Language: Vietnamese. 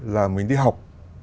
là mình đi học